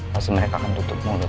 pasti mereka akan tutup mulut